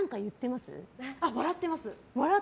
笑ってます。